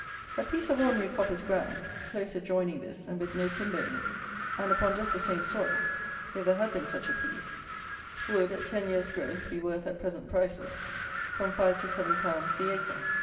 A piece of ordinary coppice ground, close adjoining this, and with no timber in it, and upon just the same soil (if there had been such a piece), would, at ten years' growth, be worth, at present prices, from five to seven pounds the acre.